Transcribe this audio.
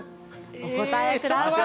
お答えください。